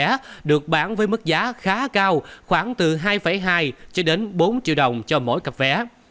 giá được bán với mức giá khá cao khoảng từ hai hai cho đến bốn triệu đồng cho mỗi cặp vé